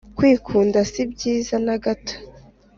kwikunda sibyiza nagato